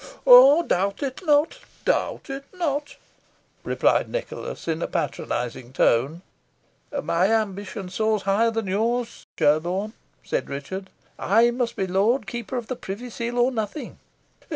"Doubt it not doubt it not," replied Nicholas, in a patronising tone. "My ambition soars higher than yours, Sherborne," said Richard; "I must be lord keeper of the privy seal, or nothing."